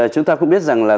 chúng ta cũng biết rằng là